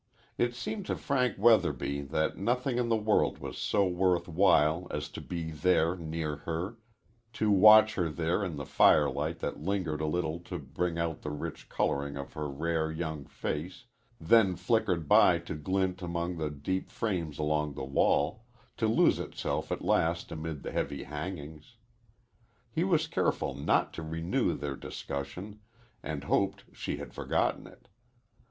It seemed to Frank Weatherby that nothing in the world was so worth while as to be there near her to watch her there in the firelight that lingered a little to bring out the rich coloring of her rare young face, then flickered by to glint among the deep frames along the wall, to lose itself at last amid the heavy hangings. He was careful not to renew their discussion, and hoped she had forgotten it.